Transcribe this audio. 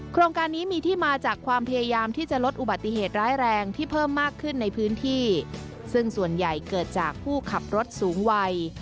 โครงการนี้มีที่มาจากความพยายามที่จะลดอุบัติเหตุร้ายแรงที่เพิ่มมากขึ้นในพื้นที่ซึ่งส่วนใหญ่เกิดจากผู้ขับรถสูงวัย